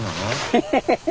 ヘヘヘヘ。